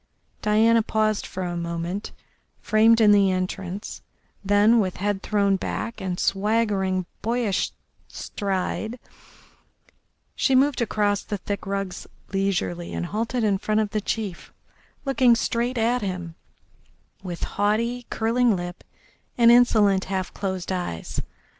Diana paused for a moment framed in the entrance, then, with head thrown back and swaggering, boyish stride, she moved across the thick rugs leisurely and halted in front of the chief, looking straight at him with haughty, curling lips and insolent, half closed eyes.